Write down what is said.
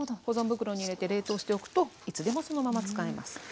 保存袋に入れて冷凍しておくといつでもそのまま使えます。